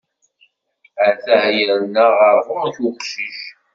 Atah yerna ɣer ɣur-k uqcic.